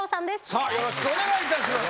さあよろしくお願いいたします。